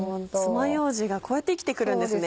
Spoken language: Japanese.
つまようじがこうやって生きてくるんですね。